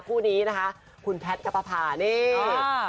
คู่นี้นะคะคุณแพทกับภาพานี่